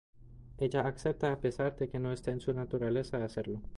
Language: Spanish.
Ella acepta, a pesar que no este en su naturaleza hacerlo.